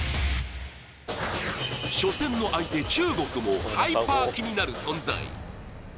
初戦の相手、中国もハイパー気になる存在。